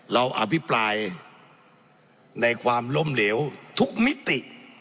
อภิปรายในความล้มเหลวทุกมิติ